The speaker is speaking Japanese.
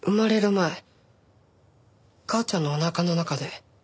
前母ちゃんのおなかの中で。